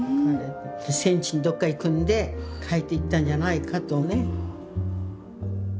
戦地のどっか行くんで書いていったんじゃないかとね。